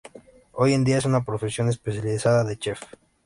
Hoy en día es una profesión especializada de Chef.